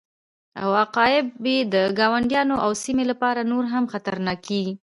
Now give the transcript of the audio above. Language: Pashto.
او عواقب یې د ګاونډیانو او سیمې لپاره نور هم خطرناکه کیږي